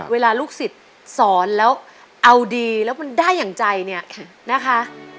เวลาลูกศิษย์สอนแล้วเอาดีแล้วมันได้อย่างใจเนี่ยนะคะ